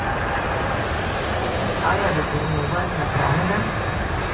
آیا د پورونو ورکړه ګرانه ده؟